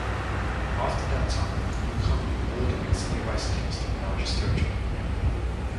After that time, the new commune warred against nearby cities to enlarge its territory.